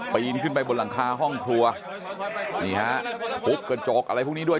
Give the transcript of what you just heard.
ปีนขึ้นไปบนหลังคาห้องครัวนี่ฮะทุบกระจกอะไรพวกนี้ด้วย